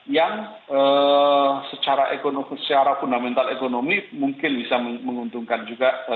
yang secara fundamental ekonomi mungkin bisa menguntungkan juga